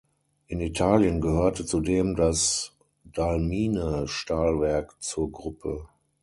In Italien gehörte zudem das Dalmine-Stahlwerk zur Gruppe.